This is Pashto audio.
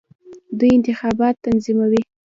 دوی انتخابات تنظیموي.